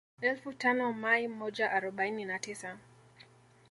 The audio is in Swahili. Elfu tano mai moja arobaini na tisa